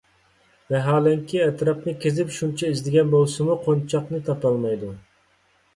ۋاھالەنكى، ئەتراپنى كېزىپ شۇنچە ئىزدىگەن بولسىمۇ، قونچاقنى تاپالمايدۇ.